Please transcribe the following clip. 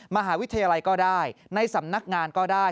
มหาวิทยาลัยก็ได้ในสำนักงานก็ได้